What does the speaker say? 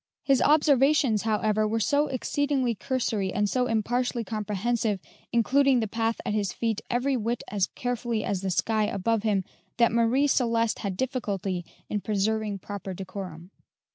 His observations, however, were so exceedingly cursory and so impartially comprehensive, including the path at his feet every whit as carefully as the sky above him, that Marie Celeste had difficulty in preserving proper decorum.